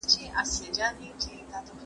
باطل په رښتیا کي ډېر تېز له منځه ولاړی.